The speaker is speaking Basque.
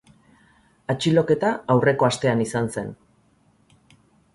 Atxiloketa aurreko astean izan zen.